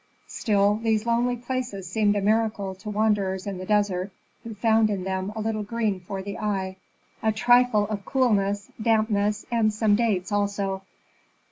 Still, these lonely places seemed a miracle to wanderers in the desert, who found in them a little green for the eye, a trifle of coolness, dampness, and some dates also.